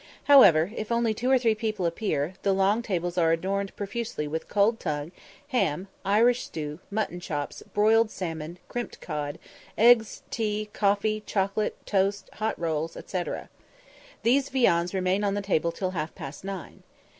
However, if only two or three people appear, the long tables are adorned profusely with cold tongue, ham, Irish stew, mutton chops, broiled salmon, crimped cod, eggs, tea, coffee, chocolate, toast, hot rolls, &c. &c.! These viands remain on the table till half past nine.